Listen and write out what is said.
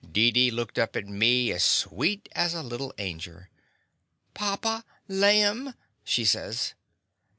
Deedee looked up at me as sweet as a little angel. "Papa, laim/' she says.